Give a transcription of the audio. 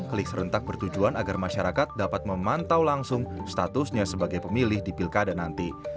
klik serentak bertujuan agar masyarakat dapat memantau langsung statusnya sebagai pemilih di pilkada nanti